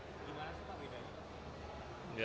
gimana asupnya bedanya